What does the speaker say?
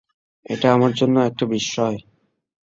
এটা আমার জন্য একটা বিশ্ময়।